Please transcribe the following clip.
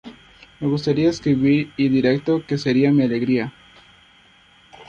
Me gustaría escribir y directo que sería mi alegría".